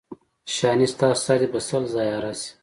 شانې ستا سر دې په سل ځایه اره شي.